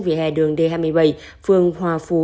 vỉa hè đường d hai mươi bảy phường hòa phú